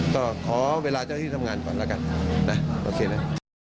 ก็ขอเวลาเจ้าที่ทำงานก่อนแล้วกันนะโอเคนะ